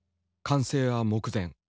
完成は目前。